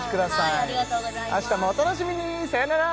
あしたもお楽しみにさよなら